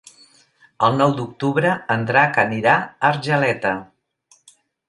El nou d'octubre en Drac anirà a Argeleta.